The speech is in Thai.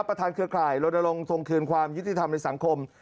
ประธานเทือกร่ายโรนโรงทรงคืนความยุติธรรมในสังคม